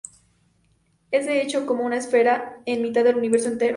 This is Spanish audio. Es de hecho, como una esfera en mitad del universo entero.